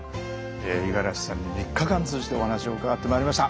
五十嵐さんに３日間通じてお話を伺ってまいりました。